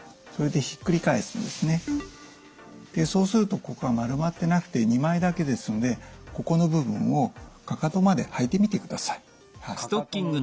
そうするとここが丸まってなくて２枚だけですのでここの部分をかかとまで履いてみてください。